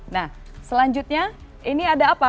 nah selanjutnya ini ada apa